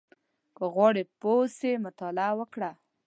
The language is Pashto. • که غواړې پوه اوسې، مطالعه وکړه.